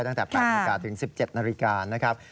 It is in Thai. ตั้งแต่๘นาฬิกาถึง๑๗นาฬิกานะครับ